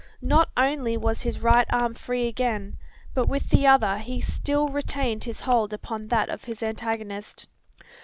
Not only was his right arm free again; but with the other he still retained his hold upon that of his antagonist.